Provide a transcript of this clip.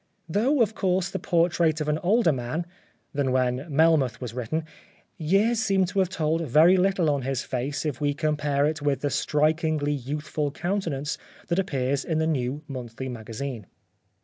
Though, of course, the portrait of an older man (than when Melmoth was written) years seemed to have told very little on his face if we compare it with the strikingly youthful countenance that appears in the New Monthly Magazine.